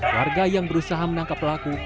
warga yang berusaha menangkap pelaku